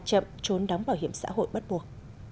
chậm trốn đóng bảo hiểm xã hội bắt buộc